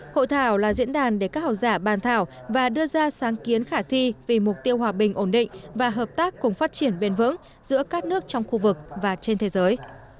hội thảo là diễn đàn để các học giả bàn thảo và đưa ra sáng kiến khả thi vì mục tiêu hòa bình ổn định và hợp tác cùng phát triển bền vững giữa các nước trong khu vực và trên thế giới